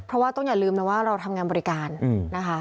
เพราะว่าต้องอย่าลืมนะว่าเราทำงานบริการนะคะ